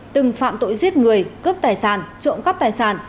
từng phạm tội giết người cướp tài sản trộm cắp tài sản